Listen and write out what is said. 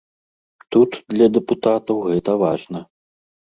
Тут для дэпутатаў гэта важна.